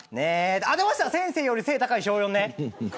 あっ、出ました先生より、背高い小４ね。